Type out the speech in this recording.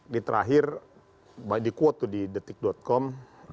di terakhir di quote tuh di detik com